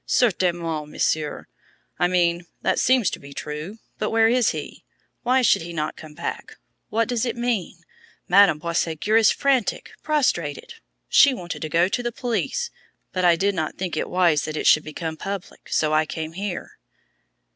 "Certainement, Monsieur I mean, that seems to be true. But where is he? Why should he not come back? What does it mean? Madame Boisségur is frantic, prostrated! She wanted me to go to the police, but I did not think it wise that it should become public, so I came here."